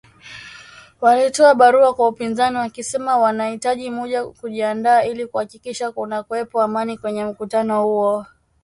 Walitoa barua kwa upinzani wakisema wanahitaji muda kujiandaa ili kuhakikisha kunakuwepo Amani kwenye mkutano huo